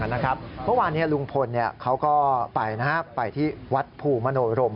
เมื่อวานลุงพลเขาก็ไปที่วัดภูมิมโนรม